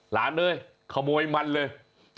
หลานเอ้ยขโมยมันเลย